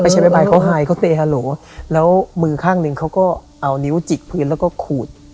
ใช้บ๊ายเขาไฮเขาเตฮาโหลแล้วมือข้างหนึ่งเขาก็เอานิ้วจิกพื้นแล้วก็ขูด